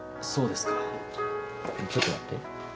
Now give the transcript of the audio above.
でもちょっと待って。